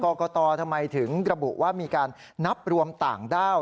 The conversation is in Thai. กรกตทำไมถึงระบุว่ามีการนับรวมต่างด้าว